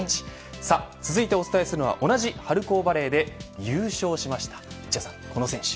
続いてお伝えするの同じ春高バレーで優勝しました、この選手。